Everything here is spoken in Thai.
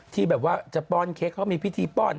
ที่จะป้อนเค้กเขามีพิธีป้อน